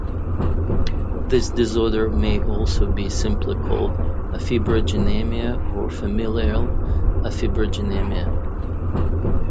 This disorder may also be simply called afibrogenemia or familial afibrogenemia.